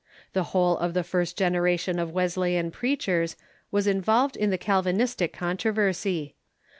The whole of the first genera tion of Wesleyan preachers was involved in the Calvinistic The Develop controversy.